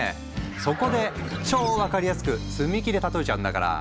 そこで超分かりやすく積み木で例えちゃうんだから。